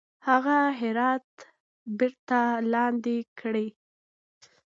هغه هرات بیرته لاندي کړي.